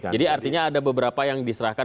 jadi artinya ada beberapa yang diserahkan